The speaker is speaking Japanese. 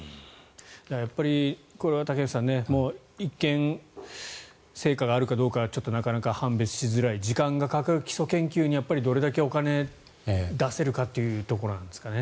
やっぱりこれは竹内さん一見、成果があるかどうかちょっとなかなか判別しづらい時間がかかる基礎研究にやっぱりどれだけお金を出せるかなんですかね。